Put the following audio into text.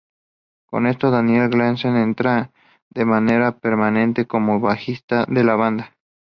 Con esto Daniel Gleason entra de manera permanente como bajista de la banda.